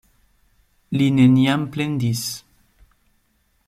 Li neniam plendis.